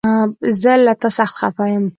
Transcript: زه له تا سخته خفه يم!